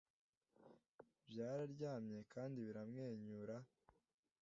byararyamye kandi biramwenyura